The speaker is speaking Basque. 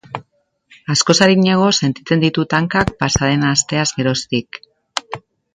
Askoz arinago sentitzen ditut hankak pasa den asteaz geroztik.